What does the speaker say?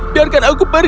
tolong biarkan aku pergi